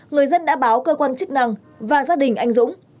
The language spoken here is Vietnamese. người dân đã báo cơ quan chức năng và gia đình anh dũng